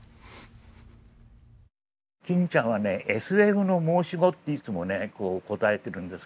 金ちゃんはねＳＦの申し子っていつもねこう答えているんですけどね。